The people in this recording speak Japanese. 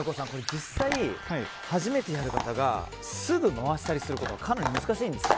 実際、初めてやる方がすぐ回すのはかなり難しいんですか？